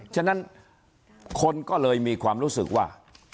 ฉะนั้นคนก็เลยมีความรู้สึกว่า